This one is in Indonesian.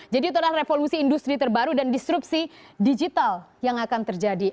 jadi itu adalah revolusi industri terbaru dan disrupsi digital yang akan terjadi